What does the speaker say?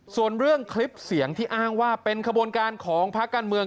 ส่วนเรื่องคลิปเสียงที่อ้างว่าเป็นขบวนการของภาคการเมือง